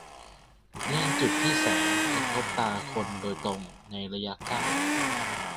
-เลี่ยงจุดที่แสงกระทบตาคนโดยตรงในระยะใกล้